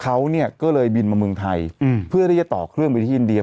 เขาเนี่ยก็เลยบินมาเมืองไทยเพื่อที่จะต่อเครื่องไปที่อินเดีย